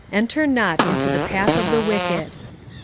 "Enter not into the path of the wicked."